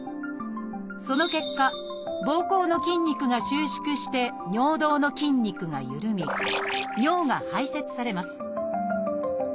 その結果ぼうこうの筋肉が収縮して尿道の筋肉がゆるみ尿が排泄されます。